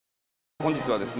本日はですね